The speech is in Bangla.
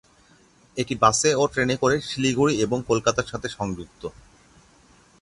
এটি বাসে ও ট্রেনে করে শিলিগুড়ি এবং কলকাতা এর সাথে সংযুক্ত।